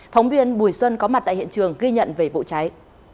thống biên bùi xuân có mặt tại hiện trường ghi nhận về vụ cháy